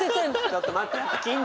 ちょっと待って！